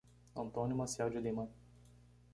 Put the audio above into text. Antônio Maciel de Lima